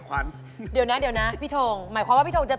เขาบอกให้พี่อ่านเขาไปข้างนอก